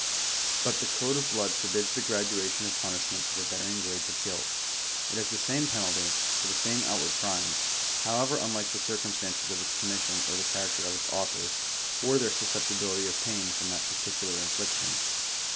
But the code of blood forbids the graduatif)n of punishment to the varying grades of guilt. It has the same penalty, for the same out ward crime, however unlike the circumstances of its commis sion, or the character of its authors, or their susceptibility of pain from that particular infliction.